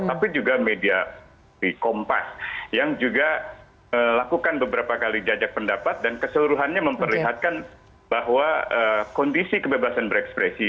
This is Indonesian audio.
tapi juga media kompas yang juga lakukan beberapa kali jajak pendapat dan keseluruhannya memperlihatkan bahwa kondisi kebebasan berekspresi